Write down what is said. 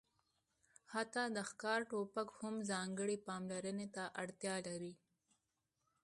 حتی د ښکار ټوپک هم ځانګړې پاملرنې ته اړتیا لري